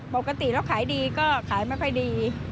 ปกติเราขายดีก็ขายไม่ค่อยดี